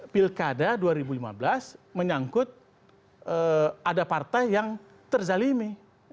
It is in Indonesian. pilkada dua ribu lima belas menyangkut ada partai yang terzalimi